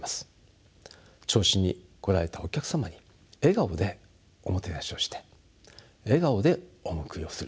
銚子に来られたお客様に笑顔でおもてなしをして笑顔でお見送りをする。